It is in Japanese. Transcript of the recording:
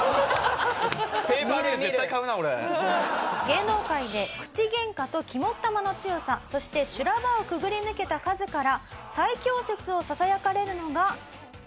芸能界で口ゲンカと肝っ玉の強さそして修羅場をくぐり抜けた数から最強説をささやかれるのが。